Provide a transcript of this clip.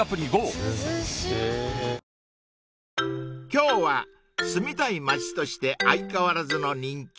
［今日は住みたい街として相変わらずの人気